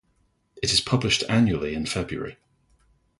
It is published annually in February.